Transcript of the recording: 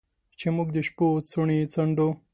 چې موږ د شپو څوڼې څنډو